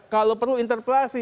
kalau perlu interpelasi